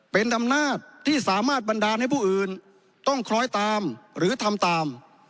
เป็นอำนาจที่สามารถบันดาลให้ผู้อื่นต้องคล้อยตามหรือทำตาม